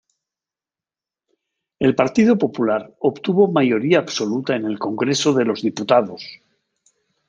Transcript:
El Partido Popular obtuvo mayoría absoluta en el Congreso de los Diputados.